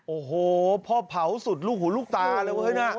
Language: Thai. โอ้โหพ่อเผาสุดลูกหูลูกตาเลยเว้ยนะ